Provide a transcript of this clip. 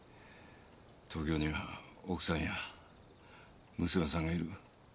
東京には奥さんや娘さんがいる。